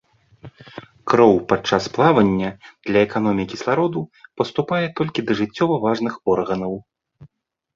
Кроў падчас плавання для эканоміі кіслароду паступае толькі да жыццёва важных органаў.